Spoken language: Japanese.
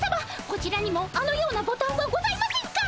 こちらにもあのようなボタンはございませんか？